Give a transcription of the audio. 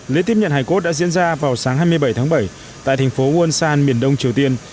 lễ tiếp nhận hải cốt đã diễn ra vào sáng hai mươi bảy tháng bảy tại thành phố wonsan miền đông triều tiên